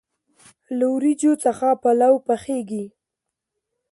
له وریجو څخه پلو پخیږي.